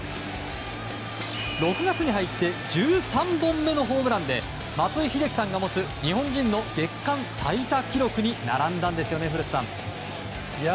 ６月に入って１３本目のホームランで松井秀喜さんが持つ日本人の月間最多記録に並んだんですよね、古田さん。